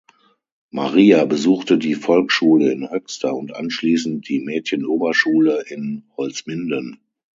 Maria besuchte die Volksschule in Höxter und anschließend die Mädchenoberschule in Holzminden.